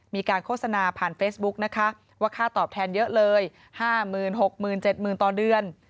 มีการโฆษณาผ่านเฟสบุ๊คนะคะว่าค่าตอบแทนเยอะเลย๕หมื่น๖หมื่น๗หมื่นต่อเดือน